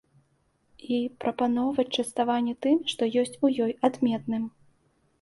І прапаноўваць частаванне тым, што ёсць у ёй адметным.